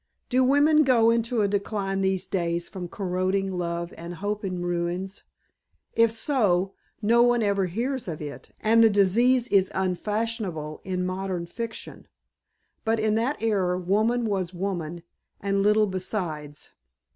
Do women go into a decline these days from corroding love and hope in ruins? If so, one never hears of it and the disease is unfashionable in modern fiction. But in that era woman was woman and little besides.